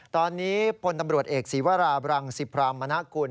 ตอนนี้พลตำรวจเอกศีวราบรังสิพรามณกุล